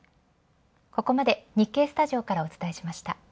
ここまで日経スタジオからお伝えしました。